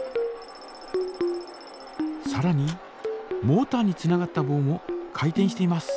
さらにモータにつながったぼうも回転しています。